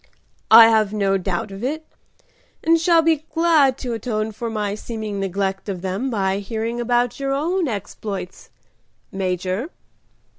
"I have no doubt of it, and shall be glad to atone for my seeming neglect of them by hearing about your own exploits. Major."